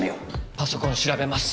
パソコン調べます。